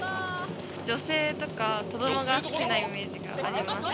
女性とか子どもが好きなイメージがあります。